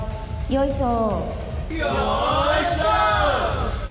よいしょ！